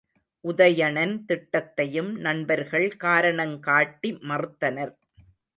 உதயணன் திட்டத்தையும் நண்பர்கள் காரணங் காட்டி மறுத்தனர்.